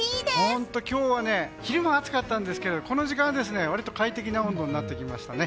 本当今日は昼間は暑かったんですけどこの時間は、割と快適な温度になってきましたね。